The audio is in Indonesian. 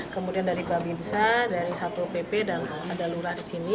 kemudian dari babinsa dari satpol pp dan ada lurah di sini